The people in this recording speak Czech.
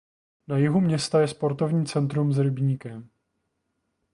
Na jihu města je sportovní centrum s rybníkem.